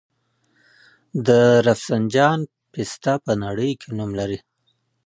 د رفسنجان پسته په نړۍ کې نوم لري.